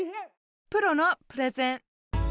「プロのプレゼン」。